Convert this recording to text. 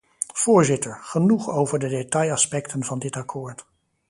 Voorzitter, genoeg over de detailaspecten van dit akkoord.